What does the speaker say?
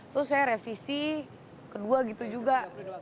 terus saya revisi kedua gitu juga